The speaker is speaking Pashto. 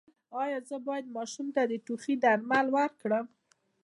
ایا زه باید ماشوم ته د ټوخي درمل ورکړم؟